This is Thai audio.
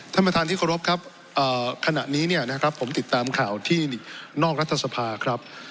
ท่านประธานที่ขอรับครับขณะนี้ผมติดตามข่าวที่นอกรัฐสภาครับ